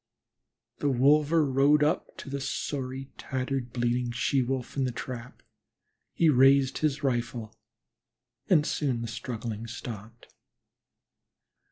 The wolver rode up to the sorry, tattered, bleeding She wolf in the trap. He raised his rifle and soon the struggling stopped.